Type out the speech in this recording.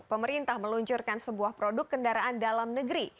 pemerintah meluncurkan sebuah produk kendaraan dalam negeri